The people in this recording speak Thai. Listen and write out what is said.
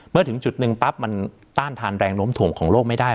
เมื่อถึงจุดหนึ่งปั๊บมันต้านทานแรงล้มถ่วงของโลกไม่ได้